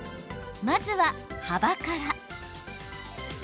まずは幅から。